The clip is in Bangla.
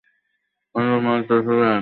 অন্দরমহলে তেতলায় কুমুদিনীর শোবার ঘর।